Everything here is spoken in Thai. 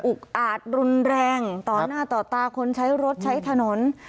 อาจรุนแรงต่อหน้าต่อตาคนใช้รถใช้ถนน